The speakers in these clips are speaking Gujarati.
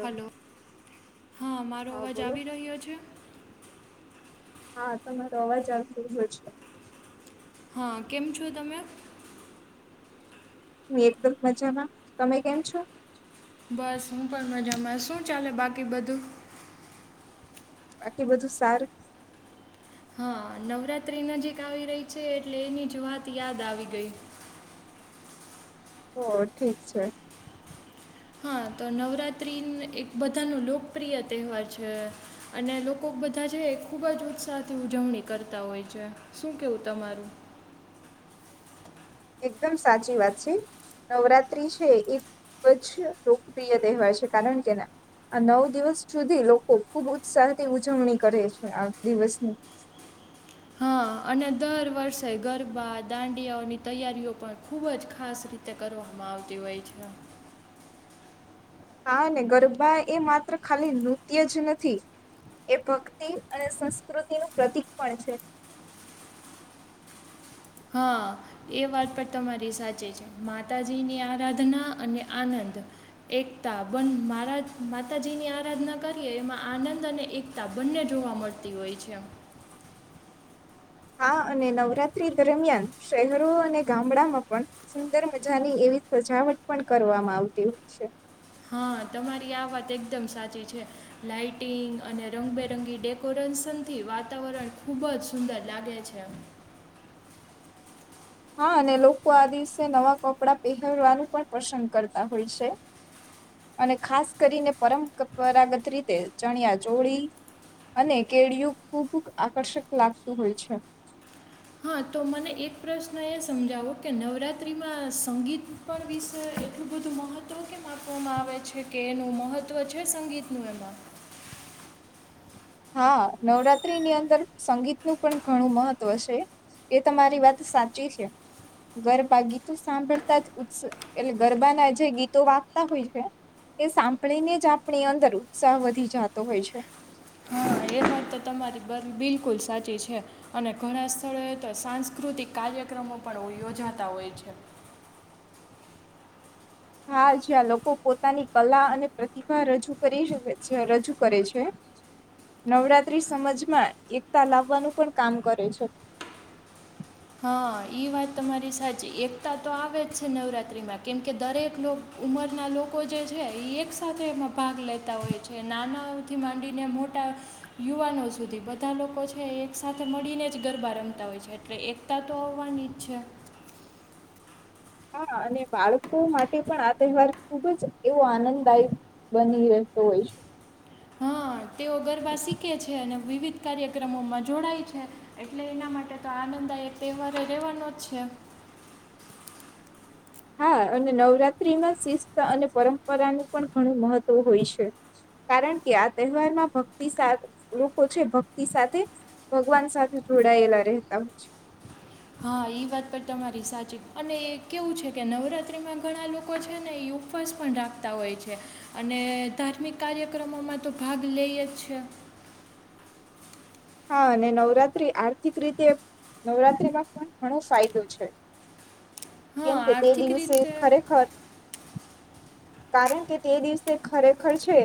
હલો હા મારો હા અવાજ બોલો આવી રહ્યો છે હા તમારો અવાજ આ થઈ ગયો છે હા કેમ છો તમે હું એકદમ મજામાં તમે કેમ છો બસ હું પણ મજામાં શું ચાલે બાકી બધું બાકી બધું સારું હા નવરાત્રી નજીક આવી રહી છે એટલે એની જો વાત યાદ આવી ગઈ હ ઠીક છે હા તો નવરાત્રિ એક બધાનો લોકપ્રિય તહેવાર છે અને લોકો બધા છે ખૂબ જ ઉત્સાહથી ઉજવણી કરતા હોય છે શું કેવું તમારું એકદમ સાચી વાત છે નવરાત્રિ છે એ ખૂબ જ લોકપ્રિય તહેવાર છે કારણ કે ના આ નવ દિવસ સુધી લોકો ખુબ ઉત્સાહથી ઉજવણી કરે છે આ દિવસની હા અને દર વર્ષે ગરબા દાંડિયાઓની તૈયારીઓ પણ ખૂબ જ ખાસ રીતે કરવામાં આવતી હોય છે હા અને ગરબા એ માત્ર ખાલી નૃત્ય જ નથી એ ભક્તિ અને સંસ્કૃતિનુંું પ્રતિક પણ છે હા એ વાત પણ તમારી સાચી છે માતાજીની આરાધના અને આનંદ એકતા મારા માતાજીની આરાધના કરીએ એમાં આનંદ અને એકતા બંને જોવા મળતી હોય છે હા અને નવરાત્રી દરમિયાન શહેરો અને ગામડામાં પણ સુંદર મજાની એવી સજાવટ પણ કરવામાં આવતી હોય છે હા તમારી આ વાત એકદમ સાચી છે લાઇટિંગ અને રંગબેરંગી ડેકોરેશન થી વાતાવરણ ખુબ જ સુંદર લાગે છે હા અને લોકો આ દિવસે નવા કપડાં પહેરવાનું પણ પસંદ કરતા હોય છે અને ખાસ કરીને પરંપરાગત રીતે ચણિયા જોડીી અને કેળયું ખૂબ આકર્ષક લાગતું હોય છે હા તો મને એક પ્રશ્ન એ સમજાવો કે નવરાત્રિમાં સંગીત પણ વિશે એટલું બધું મહત્ત્વ કેમ આપવામાં આવે છે કે એનું મહત્ત્વ છે સંગીતનું એમાં હા નવરાત્રીની અંદર સંગીતનું પણ ઘણું મહત્વ છે એ તમારી વાત સાચી છે ગરબા ગીતો સાંભળતા જ એટલે ગરબાના જે ગીતો વાગતા હોય છે એ સાંભળીને જ આપણી અંદર ઉત્સાહ વધી જતો હોય છે હા એ વાત તો તમારી બિલકુલ સાચી છે અને ઘણા સ્થળોએ તો સાંસ્કૃતિક કાર્યક્રમો પણ યોજાતા હોય છે હા જ્યાં લોકો પોતાની કલા અને પ્રતિભા રજૂ કરી છે રજૂ કરે છે નવરાત્રી સમજમાં એકતા લાવવાનું પણ કામ કરે છે હા વાત તમારી સાચી એકતા તો આવે જ છે નવરાત્રિમાં કેમકે દરેક ઉંમરના લોકો જે છે એ એક સાથેથે એમાં ભાગ લેતા હોય છે નાનાઓથી માંડીને મોટા યુવાનો સુધી બધા લોકો છે એક સાથે મળીને જ ગરબા રમતા હોય છે એટલે એક તત્વાનચ છે હા અને બાળકો માટે પણ આ તહેવાર ખુબ જ એવો આનંદદાયક બની રહેતો હોય છે હા તેઓ ગરબ શીખે છે અને વિવિધ કાર્યક્રમોમાં જોડાય છે એટલે એના માટે તો આનંદદાયક તહેવારે રહેવાનો જ છે હા અને નવરાત્રીમાં શિસ્ત અને પરંપરાનું પણ ઘણું મહત્ત્વ હોય છે કારણ કે આ તહેવારમાં ભક્તિ સાથે લોકો છે ભક્તિ સાથે ભગવાન સાથે જોડાયેલા રહેતા હોય છે હા એ વાત પણ તમારી સાચી અને એ કેવું છે કે નવરાત્રિમાં ઘણા લોકો છે ને એ ઉપવાસ પણ રાખતા હોય છે અને ધાર્મિક કાર્યક્રમોમાં તો ભાગ લે જ છે હા અને નવરાત્રી આર્થિક રીતે નવરાત્રીમાં પણ ઘણો ફાયદો છે હા કેમ કે તે આર્થિક દિવસે રીતે ખરેખર કારણ કે તે દિવસે ખરેખર છે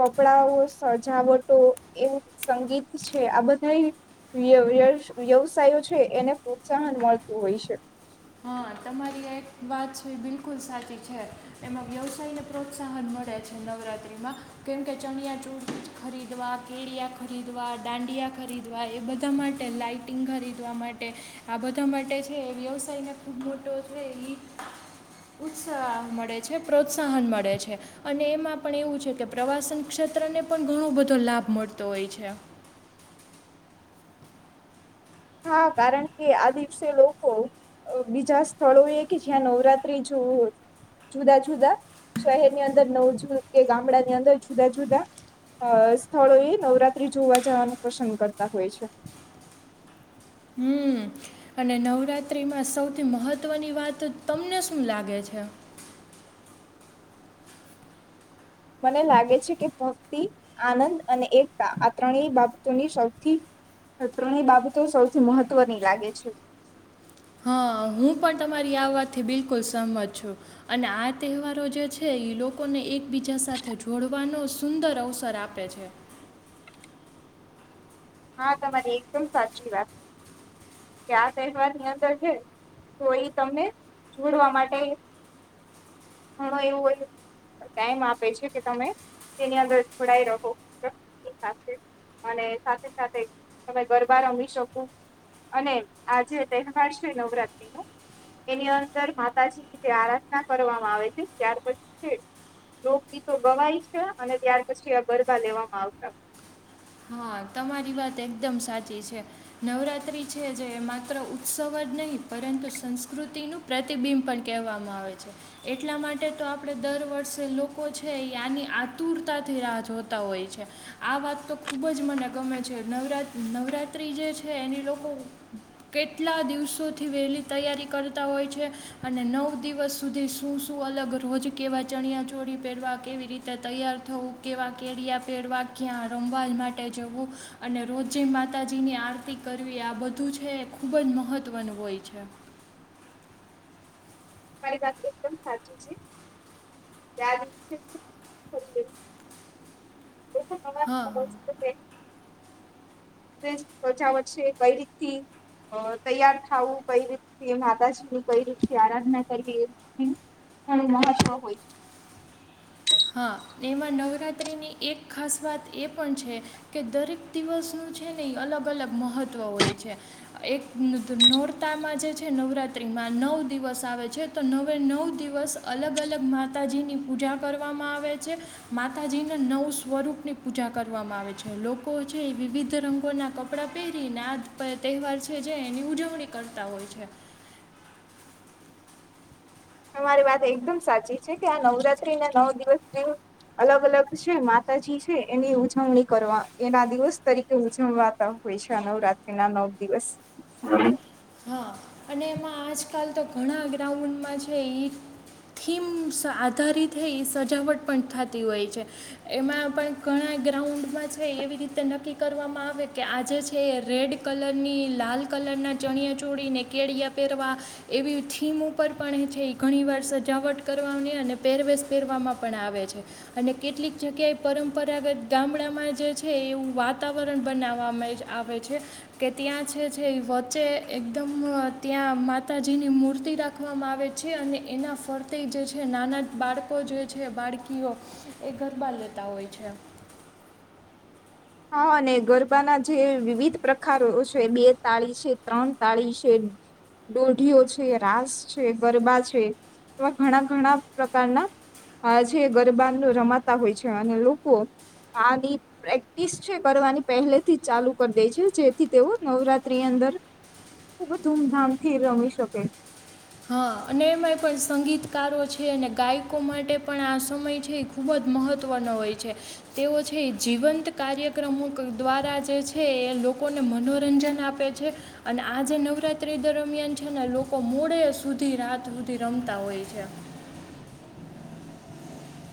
કપડાઓ સજાવટો એમ સંગીત છે આ બધા વ્યવસાયો છે એને પ્રોત્સાહન મળતું હોય છે હા તમારી એક વાત છે એ બિલકુલ સાચી છે એમાં વ્યવસાયને પ્રોત્સાહન મળે છે નવરાત્રિમાં કેમકે ચણિયા ચૂર ખરીદવા કેળિયા ખરીદવા દાંડિયા ખરીદવા એ બધા માટે લાઇટિંગ ખરીદવા માટે આ બધા માટે છે વ્યવસાયને ખૂબ મોટો છે ઉત્સાહ મળે છે પ્રોત્સાહન મળે છે અને એમાં પણ એવું છે કે પ્રવાસન ક્ષેત્રને પણ ઘણો બધો લાભ મળતો હોય છે હા કારણ કે આ દિવસે લોકો બીજા સ્થળોએ કે જ્યાં નવરાત્રી જોવું જુદા જુદા શહેરની અંદર નવજુદા કે ગામડાની અંદર જુદા જુદા સ્થળોએ નવરાત્રી જોવા જવાનું પસંદ કરતા હોય છે હમ અને નવરાત્રીમાં સૌથી મહત્વની વાત તમને શું લાગે છે મને લાગે છે કે ભક્તિ આનંદ અને એકતા આ ત્રણેય બાબતોની સૌથી ત્રણેય બાબતો સૌથી મહત્વની લાગે છે હા હું પણ તમારી આ વાતથી બિલકુલ સહમત છું અને આ તહેવારો જે છે એ લોકોને એકબીજા સાથે જોડવાનો સુંદર અવસર આપે છે હા તમારી એકદમ સાચી વાત કે આ તહેવારની અંદર છે તો એ તમને જોડવા માટે ઘણો એવું ટાઈમ આપે છે કે તમે તેની અંદર જોડાય રહો સાથે અને સાથે તમે ગરબા રમી શકો અને આ જે તહેવાર છે નવરાત્રી ન એની અંદર માતાજીની જે આરાધના કરવામાં આવે છે ત્યાર પછી છે રોગગીતો ગવાય છે અને ત્યાર પછી આ ગરબા લેવામાં આવતા હા તમારી વાત એકદમ સાચી છે નવરાત્રિ છે જે એ માત્ર ઉત્સવ જ નહીં પરંતુ સંસ્કૃતિનું પ્રતિબિંબ પણ કહેવામાં આવે છે એટલા માટે તો આપણે દર વર્ષે લોકો છે એ આની આતુરતાથી રાહ જોતા હોય છે આ વાત તો ખૂબ જ મને ગમે છે નવરાત નવરાત્રિ જે છે એની લોકો કેટલા દિવસોથી વહેલી તૈયારી કરતા હોય છે અને નવ દિવસ સુધી શું શું અલગ રોજ કેવા ચણિયા ચોરી પહેરવા કેવી રીતે તૈયાર થવું કેવા કેળિયા પહેરવા ક્યાં રમવું વાલ માટે જવું અને રોજે માતાજીની આરતી કરવી આ બધું છે એ ખૂબ જ મહત્ત્વનું હોય છે મારી વાત એકદમ સાચી છે [unintelligible] લોકો હા તે પ્રજા વચે છે કઈ રીતથી તૈયાર થાવું કઈ રીતથી માતાજીની કઈ રીતથી આરાધના કરવી એ ઘણું મહત્વ હોય છે હા એમાં નવરાત્રિની એક ખાસ વાત એ પણ છે કે દરેક દિવસનું છે ને એ અલગ અલગ મહત્ત્વ હોય છે એક નોરતામાં જે છે નવરાત્રિમાં નવ દિવસ આવે છે તો નવે નવ દિવસ અલગ અલગ માતાજીની પૂજા કરવામાં આવે છે માતાજીના નવ સ્વરૂપની પૂજા કરવામાં આવે છે લોકો છે એ વિવિધ રંગોના કપડાં પહેરીને આ તહેવાર છે જે એની ઉજવણી કરતા હોય છે તમારી વાત એકદમ સાચી છે કે આ નવરાત્રી ના નવ દિવસ જેમ અલગ અલગ છે માતાજી છે એની ઉજવણી કરવા એના દિવસ તરીકે ઉજવવાતા હોય છે આ નવરાત્રી ના નવ દિવસ હા અને એમાં આજકાલ તો ઘણા ગ્રાઉન્ડમાં છે એ થીમ આધારિત એ સજાવટ પણ થતી હોય છે એમાં પણ ઘણા ગ્રાઉન્ડમાં છે એવી રીતે નક્કી કરવામાં આવે કે આજે છે એ રેડ કલરની લાલ કલરના ચણિયા ચોળને કેળિયા પહેરવા એવી થીમ ઉપર પણ છે એ ઘણીવાર સજાવટ કરવાની અને પહેરવેશ પહેરવામાં પણ આવે છે અને કેટલીક જગ્યાએ પરંપરાગત ગામડામાં જે છે એવું વાતાવરણ બનાવવામાં જ આવે છે કે ત્યાં છે છે એ વધુ વચ્ચે એકદમ ત્યાં માતાજીની મૂર્તિ રાખવામાં આવે છે અને એના ફરતે જે છે નાના બાળકો જે છે બાળકીઓ એ ગરબા લેતા હોય છે હા અને ગરબાના જે વિવિધ પ્રકારો છે બે તાળી છે ત્રણ તાળી છે દોઢીઓ છે રાસ છે ગરબા છે એવા ઘણા ઘણા પ્રકારના જે ગરબા રમાતા હોય છે અને લોકો આની ઈ છે કરવાની પહેલેથી ચાલુ કરી દે છે જેથી તેઓ નવરાત્રીની અંદર ખૂબ ધૂમધામથી રમી શકે હા અને એમાંય પણ સંગીતકારો છે અને ગાયકો માટે પણ આ સમય છે એ ખૂબ જ મહત્વનો હોય છે તેઓ છે એ જીવંત કાર્યક્રમો દ્વારા જે છે એ લોકોને મનોરંજન આપે છે અને આ જે નવરાત્રી દરમિયાન છે ને લોકો મોળે સુધી રાત સુધી રમતા હોય છે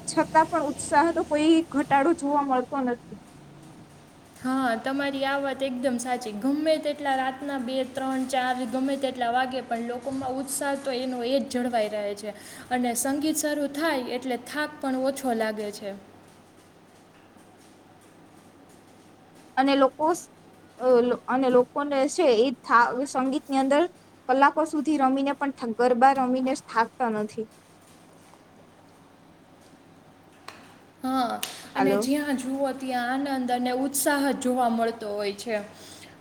છતાં પણ ઉત્સાહ તો કોઈ ઘટાડો જોવા મળતો નથી હા તમારી આ વાત એકદમ સાચી ગમે તેટલા રાતના બે ત્રણ ચાર ગમે તેટલા વાગે પણ લોકોમાં ઉત્સાહ તો એનો એ જ જળવાઈ રહે છે અને સંગીત શરૂ થાય એટલે થાક પણ ઓછો લાગે છે અને લોકો અને લોકોને છે એ થાક સંગીતની અંદર કલાકો સુધી રમીને પણ ગરબા રમીને થાકતા નથી હા અને હાલો જ્યાં જુઓ ત્યાં આનંદ અને ઉત્સાહ જોવા મળતો હોય છે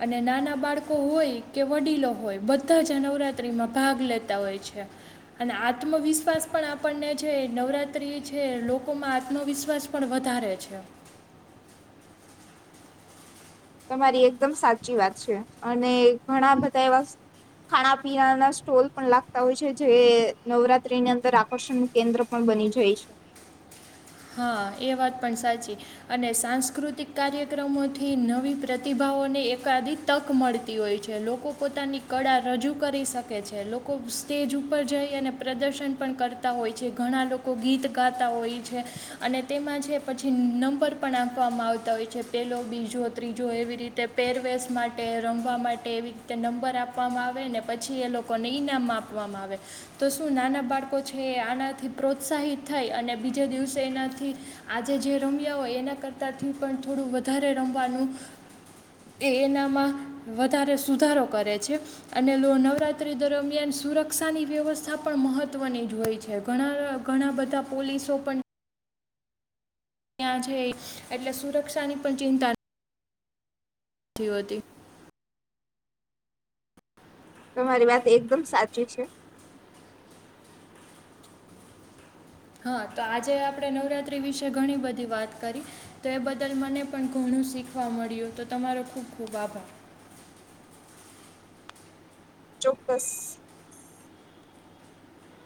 અને નાના બાળકો હોય કે વડીલો હોય બધા જ આ નવરાતિમાં ભાગ લેતા હોય છે અને આત્મવિશ્વાસ પણ આપણને છે નવરાતિ છે લોકોમાં આત્મવિશ્વાસ પણ વધારે છે તમારી એકદમ સાચી વાત છે અને ઘણા બધા એવા ખાણા પીનાના સ્ટોલ પણ લાગતા હોય છે જે નવરાત્રીની અંદર આકર્ષણનું કેન્દ્ર પણ બની જાય છે હા એ વાત પણ સાચી અને સાંસ્કૃતિક કાર્યક્રમોથી નવી પ્રતિભાઓને એકાધી તક મળતી હોય છે લોકો પોતાની કળા રજૂ કરી શકે છે લોકો સ્ટેજ ઉપર જઈ અને પ્રદર્શન પણ કરતા હોય છે ઘણા લોકો ગીત ગાતા હોય છે અને તેમાં છે પછી નંબર પણ આપવામાં આવતા હોય છે પેલો બીજો ત્રીજો એવી રીતે પેરવેશ માટે રમવા માટે એવી રીતે નંબર આપવામાં આવે ને પછી એ લોકોને ઈનામ આપવામાં આવે તો શું નાના બાળકો છે એ આનાથી પ્રોત્સાહિત થાય અને બીજા દિવસે એનાથી આજે જે રમ્યા હોય એના કરતાંથી પણ થોડું વધારે રમવાનું એ એનામાં વધારે સુધારો કરે છે અને નવરાત્રિ દરમિયાન સુરક્ષાની વ્યવસ્થા પણ મહત્ત્વની જ હોય છે ઘણા ઘણા બધા પોલીસો પણ ત્યાં છે એટલે સુરક્ષાની પણ ચિંતા નથી નથી હોતી તમારી વાત એકદમ સાચી છે હા તો આજે આપણે નવરાત્રી વિશે ઘણી બધી વાત કરી તો એ બદલ મને પણ ઘણું શીખવા મળ્યું તો તમારો ખૂબ ખૂબ આભાર ચોક્કસ